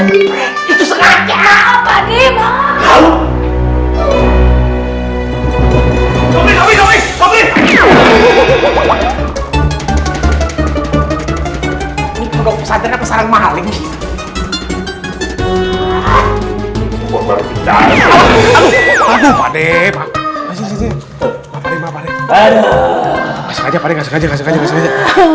nggak sengaja pak de nggak sengaja nggak sengaja nggak sengaja